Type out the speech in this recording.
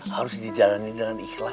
harus dijalani dengan ikhlas